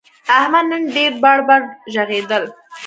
احمد نن ډېر بړ بړ ږغېدل.